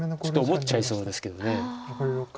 ちょっと思っちゃいそうですけど。